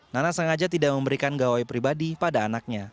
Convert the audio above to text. nana sengaja tidak memberikan gawai pribadi pada anaknya